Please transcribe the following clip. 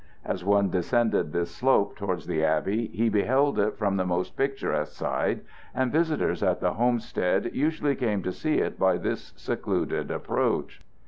As one descended this slope towards the abbey, he beheld it from the most picturesque side, and visitors at the homestead usually came to see it by this secluded approach.